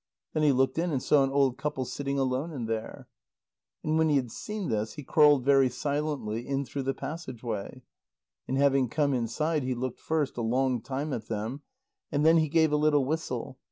Then he looked in, and saw an old couple sitting alone in there. And when he had seen this, he crawled very silently in through the passage way. And having come inside, he looked first a long time at them, and then he gave a little whistle.